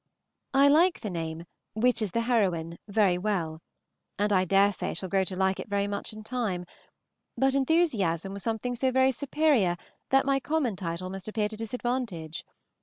I like the name "Which is the Heroine" very well, and I dare say shall grow to like it very much in time; but "Enthusiasm" was something so very superior that my common title must appear to disadvantage.